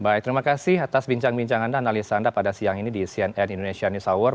baik terima kasih atas bincang bincang anda analisa anda pada siang ini di cnn indonesia news hour